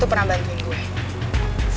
dua pacaran kamu seperti semuanya